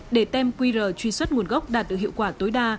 để tem qr truy xuất nguồn gốc đạt được hiệu quả tối đa